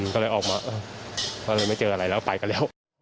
ก็เลยไม่เจออะไรแล้วไปกันแล้ว